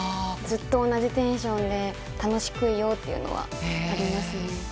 ずっと同じテンションで楽しくいようというのはありますね。